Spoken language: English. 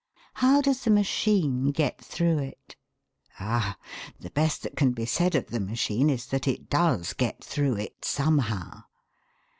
How does the machine get through it? Ah! the best that can be said of the machine is that it does get through it, somehow.